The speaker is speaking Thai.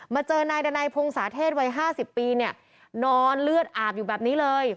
เจอนายดันัยพงศาเทศวัย๕๐ปีเนี่ยนอนเลือดอาบอยู่แบบนี้เลย